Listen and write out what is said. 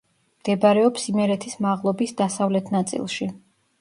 მდებარეობს იმერეთის მაღლობის დასავლეთ ნაწილში.